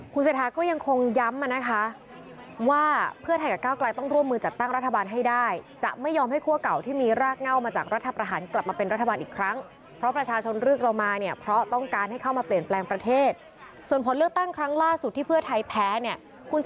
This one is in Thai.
พี่สัยทาก็ยังย่ำนะคะว่าเพื่อไทยกับก็ต้องร่วมมือจัดตั้งธุรการให้ได้จะไม่ยอมให้คั่วก่อนที่มีรากเงามาจากรัฐประหารกลับมาเป็นรัฐบาลอีกครั้งเพราะประชาชนเริ่มออกมาเนี่ยเพราะต้องการนะเข้ามาเปลี่ยนแปลงประเทศ